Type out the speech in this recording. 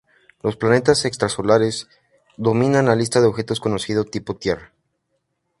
Los planetas extrasolares dominan la lista de objetos conocidos tipo-Tierra.